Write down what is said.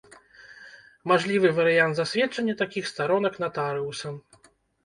Мажлівы варыянт засведчання такіх старонак натарыусам.